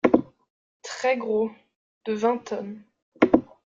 Très gros... de vingt tonnes...